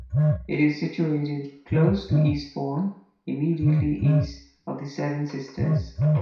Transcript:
It is situated close to Eastbourne, immediately east of the Seven Sisters.